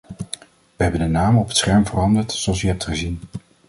We hebben de naam op het scherm veranderd, zoals u hebt gezien.